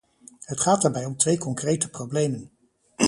Het gaat daarbij om twee concrete problemen.